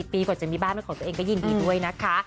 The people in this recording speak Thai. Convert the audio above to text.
๔๐ปีก่อนจะมีบ้านของตัวเองก็ยิ่งดีด้วยนะคะ